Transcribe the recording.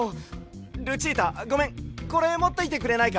ルチータごめんこれもっていてくれないか？